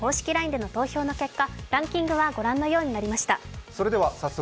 ＬＩＮＥでの投票の結果、ランキングはご覧のようになりました。